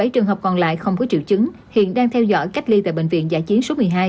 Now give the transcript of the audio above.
một mươi bảy trường hợp còn lại không có triệu chứng hiện đang theo dõi cách ly tại bệnh viện giải chiến số một mươi hai